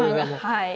はい。